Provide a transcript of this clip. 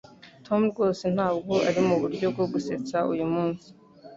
Tom rwose ntabwo ari muburyo bwo gusetsa uyumunsi.